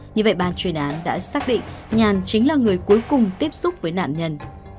như vậy bàn truyền án đã xác định nhàn chính là người cuối cùng tiếp xúc với nạn nhân